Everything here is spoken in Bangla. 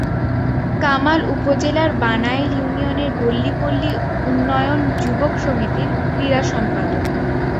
কামাল উপজেলার বানাইল ইউনিয়নের গল্লি পল্লি উন্নয়ন যুবক সমিতির ক্রীড়া সম্পাদক।